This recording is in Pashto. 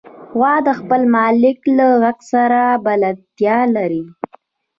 غوا د خپل مالک له غږ سره بلدتیا لري.